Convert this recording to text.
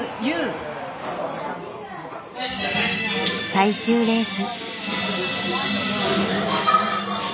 最終レース。